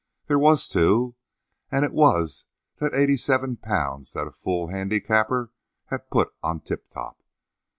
There was, too, and it was the eighty seven pounds that a fool handicapper had put on Tip Top.